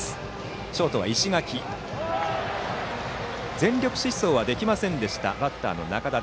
全力疾走はできませんでしたバッターの仲田。